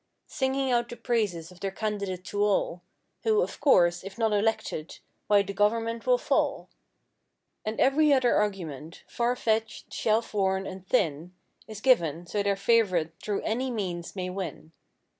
Singing out the praises of their candidate to all. Who, of course, if not elected, why the "government will fall." 178 And every other argument—far fetched, shelf worn and thin, Is given so their favorite through any means, may win.